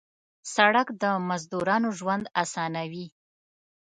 سړک د مزدورانو ژوند اسانوي.